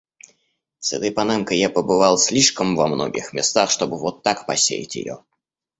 С этой панамкой я побывал слишком во многих местах, чтобы вот так посеять её.